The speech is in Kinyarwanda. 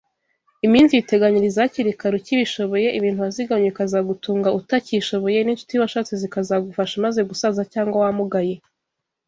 Iminsi uyiteganyiriza hakiri kare ukibishoboye ibintu wazigamye bikazagutunga utakishoboye n’inshuti washatse zikazagufasha umaze gusaza cyangwa wamugaye